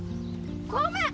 ごめん！